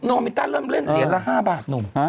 อมิต้าเริ่มเล่นเหรียญละ๕บาทหนุ่ม